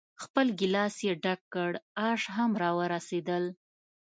خپل ګیلاس یې ډک کړ، آش هم را ورسېدل.